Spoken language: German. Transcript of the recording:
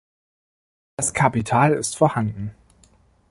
Das Kapital ist vorhanden.